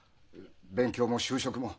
勉強も就職も。